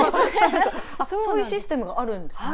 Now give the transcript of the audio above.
そういうシステムがあるんですね。